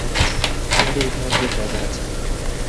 আমাদের ইতোমধ্যে ড্রাইভার আছে।